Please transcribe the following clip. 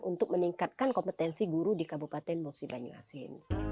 untuk meningkatkan kompetensi guru di kabupaten musi banyuasin